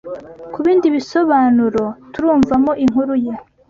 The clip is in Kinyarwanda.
ku bindi bisobabanuro turumvamo inkuru ye